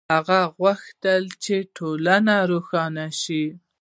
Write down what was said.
هغه غوښتل چې ټولنه روښانه شي.